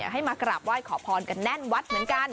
ให้มากราบไหว้ขอพรกันแน่นวัดเหมือนกัน